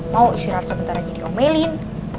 mau istirahat sebentar lagi diomelin